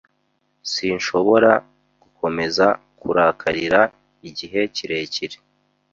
Sinshobora gukomeza kurakarira igihe kirekire.